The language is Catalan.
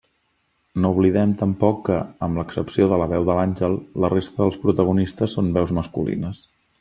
No oblidem tampoc que, amb l'excepció de la veu de l'àngel, la resta dels protagonistes són veus masculines.